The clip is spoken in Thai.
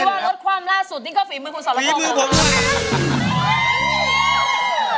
คือว่ารถความล่าสุดนี้ก็ฝีมือคุณสรค่ะ